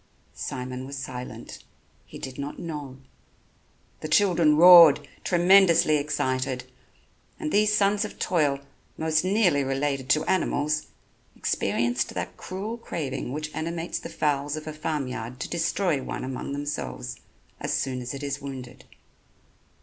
Simon was silent, he did not know. The children roared, tremendously excited; and these sons of toil, most nearly related to animals, experienced that cruel craving which animates the fowls of a farm yard to destroy one among themselves as soon as it is wounded.